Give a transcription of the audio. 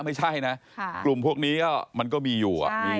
ไม่ใช่นะกลุ่มพวกนี้ก็มันก็มีอยู่